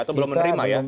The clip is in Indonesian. atau belum menerima ya